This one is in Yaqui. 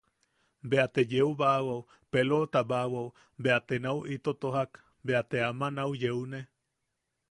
Bea te yeubaawao peloʼotabaawao bea te nau ito tojak, bea te ama nau yeune.